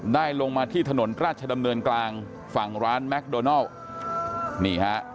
ลงมาที่ถนนราชดำเนินกลางฝั่งร้านแมคโดนัลนี่ฮะ